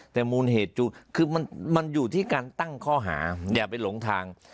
แต่มูลเหตุจูคือมันอยู่ที่การตั้งข้อหาอย่าไปหลงทาง